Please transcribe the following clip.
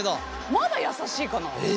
まだ優しいかな。え？